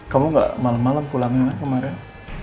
kamu tidak malam malam pulangin kemarin